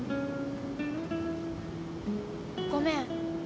ごめん。